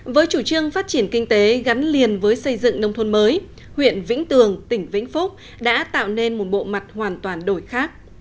với chủ trương phát triển kinh tế gắn liền với xây dựng nông thôn mới huyện vĩnh tường tỉnh vĩnh phúc đã tạo nên một bộ mặt hoàn toàn đổi khác